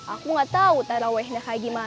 aku gak tahu tarawihdagimana